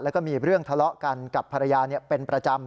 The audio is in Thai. แล้วก็มีเรื่องทะเลาะกันกับภรรยาเป็นประจำ